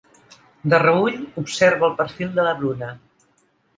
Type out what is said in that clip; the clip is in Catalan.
De reüll observa el perfil de la Bruna.